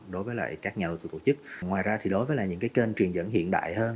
đối với các nhà đầu tư tổ chức ngoài ra đối với những kênh truyền dẫn hiện đại hơn